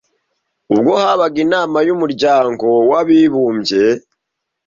ubwo habaga inama y’Umuryango w’Abibumbye ,